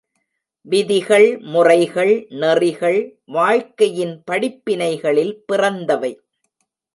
விதிகள், முறைகள், நெறிகள் வாழ்க்கையின் படிப்பினைகளில் பிறந்தவை.